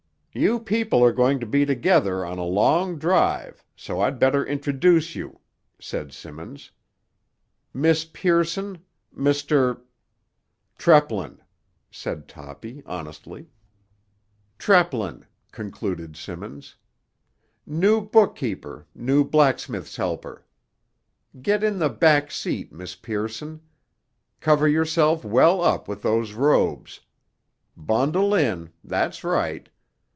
"You people are going to be together on a long drive, so I'd better introduce you," said Simmons. "Miss Pearson, Mr. ——" "Treplin," said Toppy honestly. "Treplin," concluded Simmons. "New bookkeeper, new blacksmith's helper. Get in the back seat, Miss Pearson. Cover yourself well up with those robes. Bundle in—that's right.